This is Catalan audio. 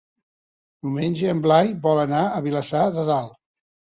Diumenge en Blai vol anar a Vilassar de Dalt.